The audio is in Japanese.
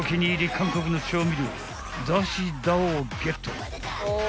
韓国の調味料ダシダをゲット］